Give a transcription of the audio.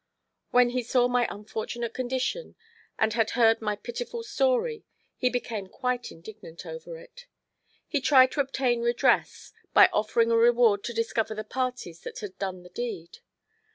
When he saw my unfortunate condition and had heard my pitiful story, he became quite indignant over it. He tried to obtain redress by offering a reward to discover the parties that had done the deed.